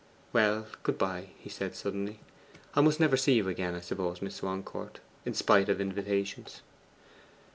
'Well, good bye,' he said suddenly; 'I must never see you again, I suppose, Miss Swancourt, in spite of invitations.